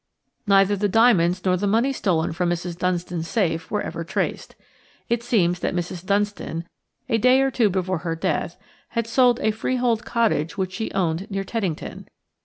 Neither the diamonds nor the money stolen from Mrs. Dunstan's safe were ever traced. It seems that Mrs. Dunstan, a day or two before her death, had sold a freehold cottage which she owned near Teddington.